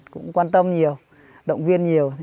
cũng quan tâm nhiều động viên nhiều